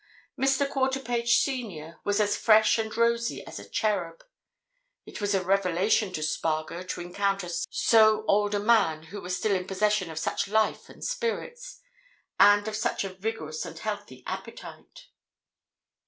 Mr. Quarterpage, Senior, was as fresh and rosy as a cherub; it was a revelation to Spargo to encounter so old a man who was still in possession of such life and spirits, and of such a vigorous and healthy appetite.